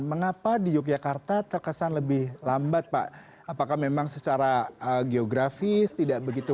mengapa di yogyakarta terkesan lebih lambat pak apakah memang secara geografis tidak begitu